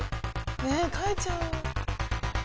ねぇかいちゃう。